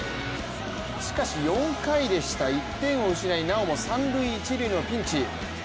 しかし４回でした、１点を失いなおも三・一塁のピンチ。